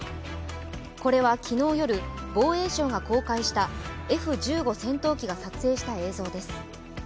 これは昨日夜、防衛省が公開したＦ１５戦闘機が公開した映像です。